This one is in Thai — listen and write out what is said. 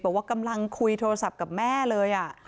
บอกว่ากำลังคุยโทรศัพท์กับแม่เลย